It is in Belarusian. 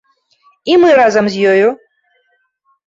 І мы разам з ёю!